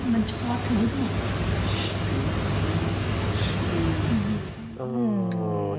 มันชอบถึง